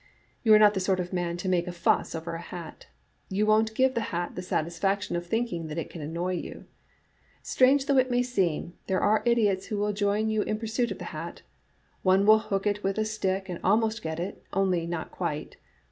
You are not the sort of man to make a fuss over a hat. You won't give the hat the satisfac tion of thinking that it can annoy you. Strange though Digitized by VjOOQ IC 9 * A* JSAttte* niii it may seem, there are idiots who will join yon in pur suit of the hat. One will hook it with a stick and al most get it, only not quite.